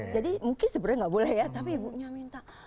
jadi mungkin sebenarnya gak boleh ya tapi ibunya minta